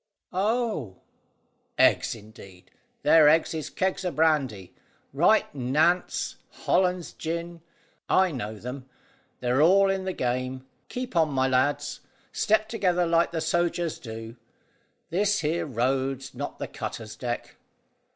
"Oh!" "Eggs, indeed! Their eggs is kegs o' brandy. Right Nantes; Hollands gin. I know them. They're all in the game. Keep on, my lads. Step together like the sogers do. This here road's not the cutter's deck."